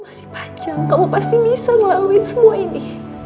masih panjang kamu pasti bisa ngelaluin semua ini